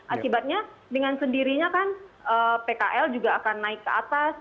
akibatnya dengan sendirinya kan pkl juga akan naik ke atas